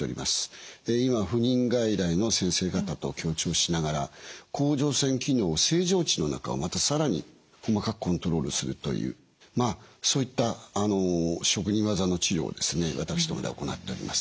今不妊外来の先生方と協調しながら甲状腺機能正常値の中をまた更に細かくコントロールするというまあそういった職人技の治療を私どもでは行っております。